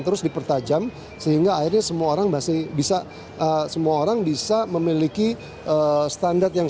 terus dipertajam sehingga akhirnya semua orang masih bisa semua orang bisa memiliki standar yang